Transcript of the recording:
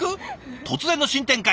突然の新展開。